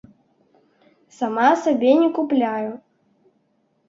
Сама сабе не купляю.